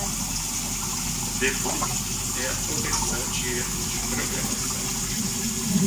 Debugging é a correção de erros de programação.